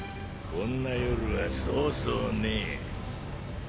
こんな夜はそうそうねえ。